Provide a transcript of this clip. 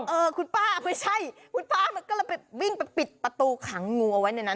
เออคุณป้าไม่ใช่คุณป้ามันก็เลยไปวิ่งไปปิดประตูขังงูเอาไว้ในนั้น